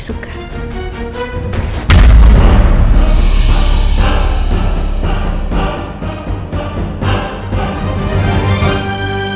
suku r gang